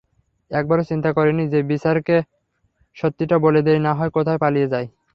একবারও চিন্তা করি নি যে বিচারককে সত্যিটা বলে দেই নাহয় কোথাও পালিয়ে যাই।